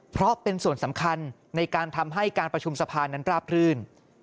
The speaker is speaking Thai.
เพราะเป็นส่วนสำคัญในการทำให้การประชุมสภานั้นราบรื่น